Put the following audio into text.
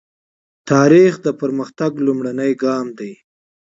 تاریخ د پرمختګ لومړنی ګام دی.